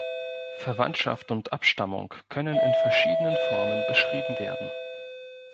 Verwandtschaft und Abstammung können in verschiedenen Formen beschrieben werden.